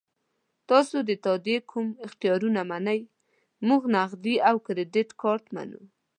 تاسو د تادیې کوم اختیارونه منئ؟ موږ نغدي او کریډیټ کارت منو.